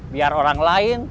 biar orang lain